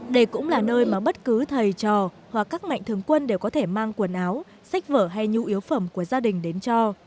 đây cũng là nơi mà bất cứ thầy trò hoặc các mạnh thường quân đều có thể mang quần áo sách vở hay nhu yếu phẩm của gia đình đến cho